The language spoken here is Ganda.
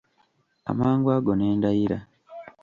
Amangu ago ne ndayira.